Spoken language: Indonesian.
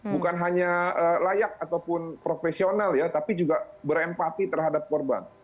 bukan hanya layak ataupun profesional ya tapi juga berempati terhadap korban